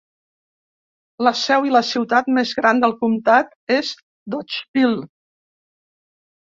La seu i la ciutat més gran del comtat és Dodgeville.